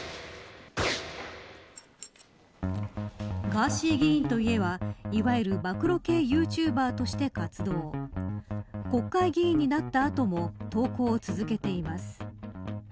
ガーシー議員といえばいわゆる暴露系ユーチューバーとして活動国会議員になったあとも投稿を続けています。